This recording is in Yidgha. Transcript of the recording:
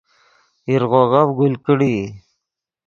ایرغوغف گل کڑیئی